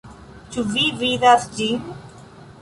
Ĉu vi vidas ĝin?